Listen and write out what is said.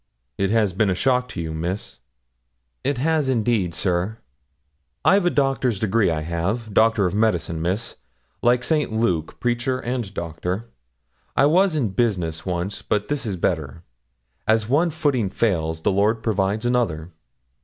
It has been a shock to you, Miss?' 'It has, indeed, sir.' 'I've a doctor's degree, I have Doctor of Medicine, Miss. Like St. Luke, preacher and doctor. I was in business once, but this is better. As one footing fails, the Lord provides another.